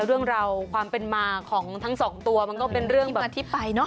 เรื่องราวความเป็นมาของทั้งสองตัวมันก็เป็นเรื่องมาที่ไปเนอะ